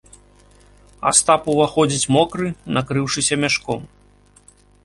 Астап уваходзіць мокры, накрыўшыся мяшком.